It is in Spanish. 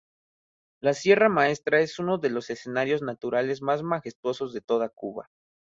La Sierra Maestra es uno de los escenarios naturales más majestuosos de toda Cuba.